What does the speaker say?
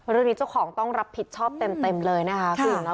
วันนี้เจ้าของต้องรับผิดชอบเต็มเลยนะคะ